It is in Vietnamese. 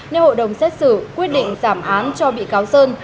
nếu hội đồng xét xử quyết định giảm án cho bị cáo sơn